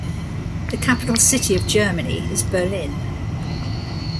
The capital city of Germany is Berlin.